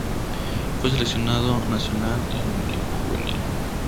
Fue seleccionado nacional en el equipo juvenil.